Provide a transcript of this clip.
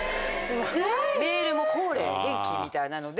メールも「ホウレイ元気？」みたいなので。